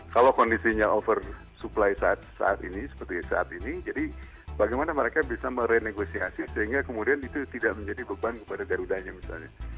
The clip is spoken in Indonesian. kalau kondisinya oversupply saat ini seperti saat ini jadi bagaimana mereka bisa merenegosiasi sehingga kemudian itu tidak menjadi beban kepada garudanya misalnya